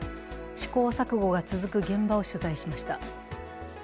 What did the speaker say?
試行錯誤が続く現場を取材しました。